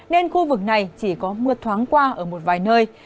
nên khu vực này chỉ có mưa thoáng qua ở một vài nơi